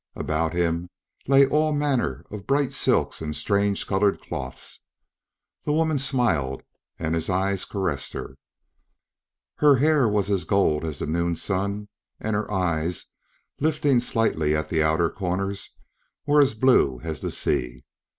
About him lay all manner of bright silks and strange colored cloths. The woman smiled and his eyes caressed her. Her hair was as gold as the noon sun and her eyes, lifting slightly at the outer corners, were as blue as the sea.